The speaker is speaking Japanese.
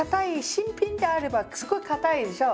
新品であればすごいかたいでしょう？